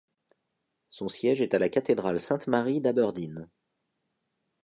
Son siège est à la cathédrale Sainte-Marie d'Aberdeen.